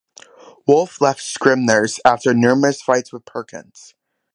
Wolfe left Scribner's after numerous fights with Perkins.